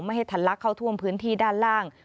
ให้ทันลักเข้าท่วมพื้นที่ด้านล่าง